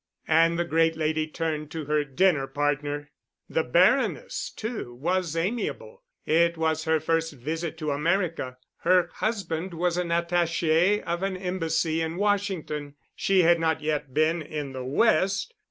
And the great lady turned to her dinner partner. The Baroness, too, was amiable. It was her first visit to America. Her husband was an attaché of an embassy in Washington. She had not yet been in the West.